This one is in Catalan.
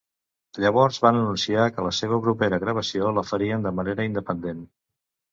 Llavors van anunciar que la seva propera gravació la farien de manera independent.